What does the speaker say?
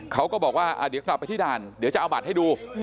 เขาก็บอกว่าเดี๋ยวกลับไปที่ด่านเดี๋ยวจะเอาบัตรให้ดู